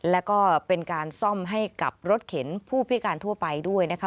แล้วก็เป็นการซ่อมให้กับรถเข็นผู้พิการทั่วไปด้วยนะคะ